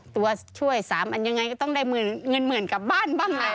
ตัวช่วย๓อันยังไงก็ต้องได้เงินหมื่นกลับบ้านบ้างแหละ